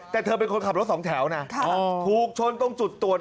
แต่เธอเป็นคนขับรถสองแถวนะถูกชนตรงจุดตรวจ